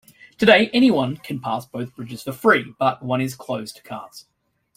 Today, anyone can pass both bridges for free, but one is closed to cars.